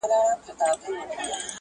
چي زما پیاله راله نسکوره له آسمانه سوله٫